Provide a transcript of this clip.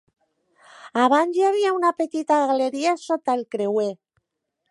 Abans hi havia una petita galeria sota el creuer.